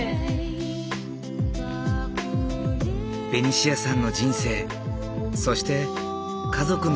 ベニシアさんの人生そして家族の物語。